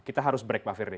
kita harus break pak firdy